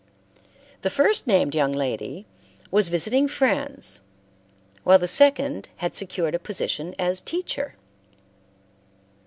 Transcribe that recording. The first named young lady was visiting friends, while the second had secured a position as teacher.